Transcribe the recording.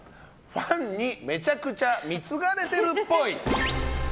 ファンにめちゃくちゃ貢がれてるっぽい。